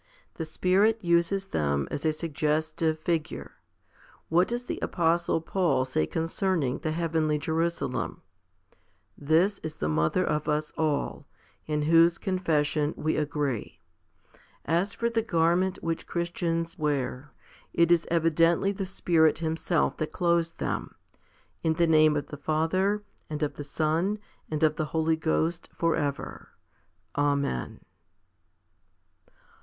The Spirit uses them as a suggestive figure. What does the apostle Paul say concerning the heavenly Jerusalem ? This is the mother of us all, 2 in whose confession we agree. As for the garment which Christians wear, it is evidently the Spirit Himself that clothes them, in the name of the Father and of the Son and of the Holy Ghost for ever. Amen.